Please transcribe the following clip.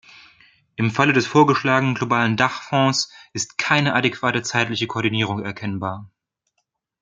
Im Falle des vorgeschlagenen globalen Dachfonds ist keine adäquate zeitliche Koordinierung erkennbar.